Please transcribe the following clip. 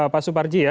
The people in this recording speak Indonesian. pak subarji ya